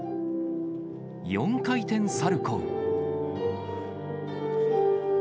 ４回転サルコー。